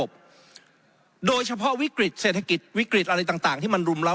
โดยเฉพาะวิกฤตเศรษฐกิจวิกฤตอะไรต่างที่มันรุมเล้า